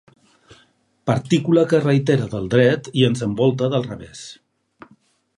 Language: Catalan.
Partícula que reitera del dret i ens envolta del revés.